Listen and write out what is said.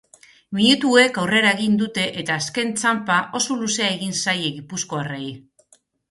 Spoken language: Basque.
Minutuek aurrera egin dute eta azken txanpa oso luzea egin zaie gipuzkoarrei.